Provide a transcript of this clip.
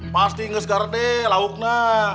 pasti nge segar deh lauknya